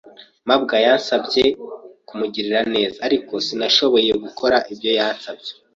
mabwa yansabye kumugirira neza. Ariko, sinashoboye gukora ibyo yansabye.